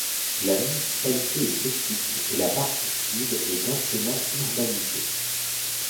La municipalité est petite et la partie sud est densément urbanisée.